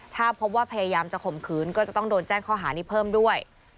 ถ้าพบว่าพยายามจะข่มขืนก็จะต้องโดนแจ้งข้อหานี้เพิ่มด้วย